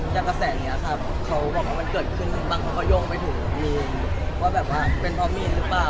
จากกระแสนี้ครับเขาบอกว่ามันเกิดขึ้นบางคนก็โยงไปถึงยูว่าแบบว่าเป็นเพราะมีดหรือเปล่า